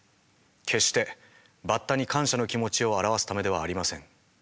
決してバッタに感謝の気持ちを表すためではありません。